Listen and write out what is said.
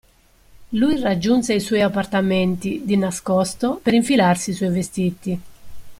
Lui raggiunse i suoi appartamenti, di nascosto, per infilarsi i suoi vestiti.